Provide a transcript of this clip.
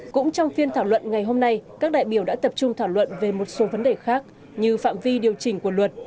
cũng trong phiên thảo luận ngày hôm nay các đại biểu đã tập trung thảo luận về một số vấn đề khác như phạm vi điều chỉnh của luật